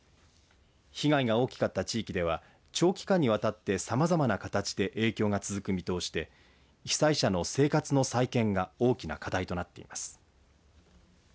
被害が大きかった地域では長期間にわたってさまざまな形で影響が続く見通しで被災者の生活の再建が大きな課題となっています。